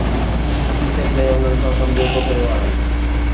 حقيقت ۾ انهن سان سمجهوتو ڪيو آهي.